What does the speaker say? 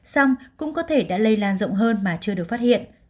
xong cũng có thể đã lây lan rộng hơn mà chưa được phát hiện